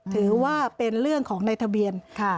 ถือว่าเป็นเรื่องของในทะเบียนค่ะ